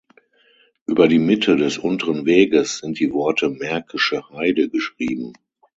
Über die Mitte des unteren Weges sind die Worte „märkische Heide“ geschrieben.